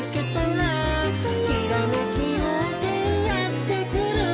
「ひらめきようせいやってくる」